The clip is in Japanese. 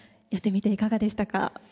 やってみていかがでしたか？